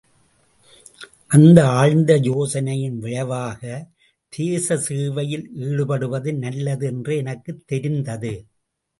அந்த ஆழ்ந்த யோசனையின் விளைவாக, தேச சேவையில் ஈடுபடுவது நல்லது என்று எனக்குத் தெரிந்தது.